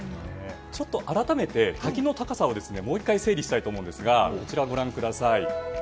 改めて、滝の高さをもう１回整理したいと思いますがこちらをご覧ください。